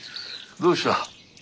どうした？